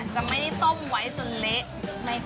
จะไม่ได้ต้มไว้จนเละ